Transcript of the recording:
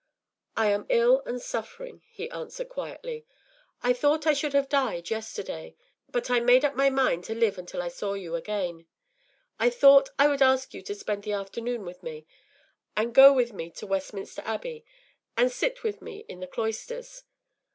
” “I am ill and suffering,” he answered, quietly. “I thought I should have died yesterday; but I made up my mind to live until I saw you again, and I thought I would ask you to spend the afternoon with me, and go with me to Westminster Abbey, and sit with me in the cloisters.